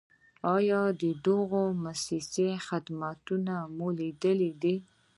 آیا د دغو مؤسسو خدمتونه مو لیدلي دي؟